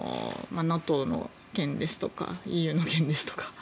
ＮＡＴＯの件ですとかＥＵの件ですとか。